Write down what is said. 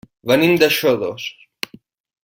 Venim de Xodos.